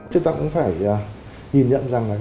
chúng ta cũng phải nhìn nhận rằng là